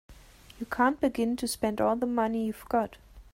You can't begin to spend all the money you've got.